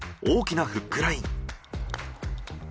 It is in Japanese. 大きなフックライン。